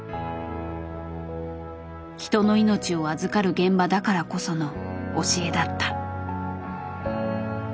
人の命を預かる現場だからこその教えだった。